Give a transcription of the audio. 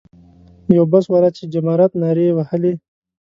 یو بس والا چې جمارات نارې یې وهلې.